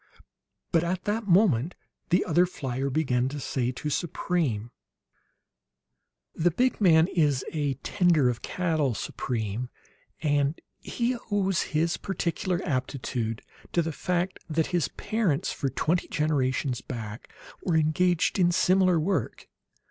But at that moment the other flier began to say to Supreme: "The big man is a tender of cattle, Supreme; and he owes his peculiar aptitude to the fact that his parents, for twenty generations back, were engaged in similar work.